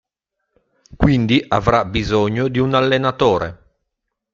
Quindi avrà bisogno di un allenatore.